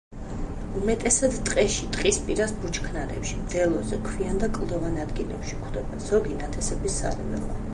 უმეტესად ტყეში, ტყის პირას ბუჩქნარებში, მდელოზე, ქვიან და კლდოვან ადგილებში გვხვდება, ზოგი ნათესების სარეველაა.